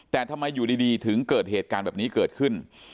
แต่ทำไมอยู่ดีถึงเกิดเหตุการณ์แบบนี้เกิดขึ้น